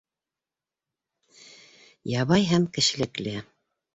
Ябай һәм кешелекле.